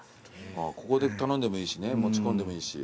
ここで頼んでもいいしね持ち込んでもいいし。